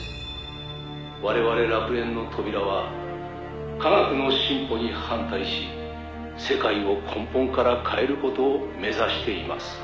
「我々楽園の扉は科学の進歩に反対し世界を根本から変える事を目指しています」